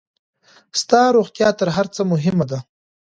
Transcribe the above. ستا روغتيا تر هر څۀ مهمه ده.